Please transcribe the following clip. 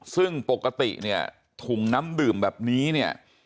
ซึ่งปกติเนี่ยถุงน้ำดื่มแบบนี้เนี่ย